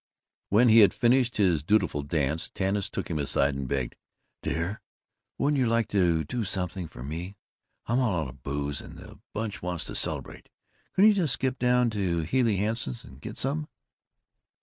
When he had finished his dutiful dance Tanis took him aside and begged, "Dear, wouldn't you like to do something for me? I'm all out of booze, and the Bunch want to celebrate. Couldn't you just skip down to Healey Hanson's and get some?"